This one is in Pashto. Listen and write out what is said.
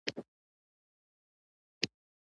په پښتو ژبې غزلونو او نظمونو کې.